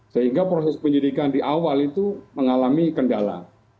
sehingga proses penyidikan di awal itu mengalami kendala